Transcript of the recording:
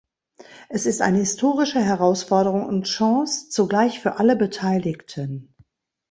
Es ist eine historische Herausforderung und Chance zugleich für alle Beteiligten.